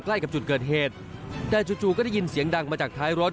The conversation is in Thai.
ใกล้กับจุดเกิดเหตุแต่จู่ก็ได้ยินเสียงดังมาจากท้ายรถ